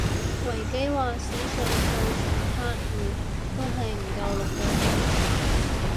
維基話史上最長黑雨都係唔夠六個鐘